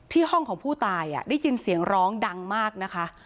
ห้องของผู้ตายได้ยินเสียงร้องดังมากนะคะ